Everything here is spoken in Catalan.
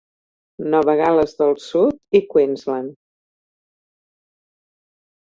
Nova Gal·les del Sud i Queensland.